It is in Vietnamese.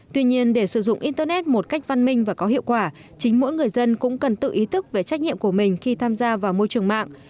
tuy nhiên để sử dụng internet một cách văn minh và có hiệu quả chính mỗi người dân cũng cần tự ý thức về trách nhiệm của mình khi tham gia vào môi trường mạng